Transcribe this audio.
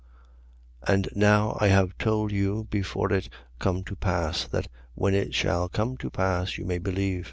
And now I have told you before it come to pass: that when it shall come to pass, you may believe.